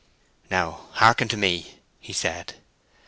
"Now, hearken to me," he said.